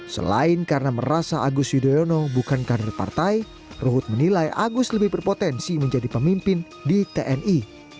selain karena merasa agus yudhoyono bukan kader partai ruhut menilai agus lebih berpotensi menjadi pemimpin di tni